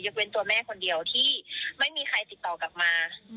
เว้นตัวแม่คนเดียวที่ไม่มีใครติดต่อกลับมา